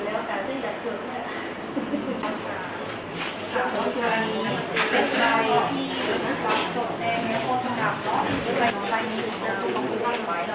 ตอนนี้อยู่แล้วแต่ว่าจะจะอยากเตือนแหละ